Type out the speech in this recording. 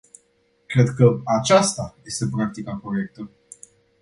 Cred că aceasta este practica corectă.